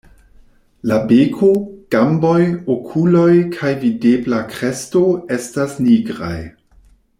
La beko, gamboj, okuloj kaj videbla kresto estas nigraj.